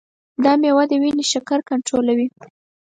دا میوه د وینې شکر کنټرولوي.